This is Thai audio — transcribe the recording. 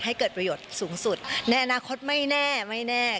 ให้เกิดประโยชน์สูงสุดในอนาคตไม่แน่ไม่แน่